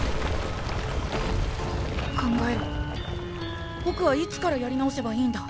考えろぼくはいつからやり直せばいいんだ？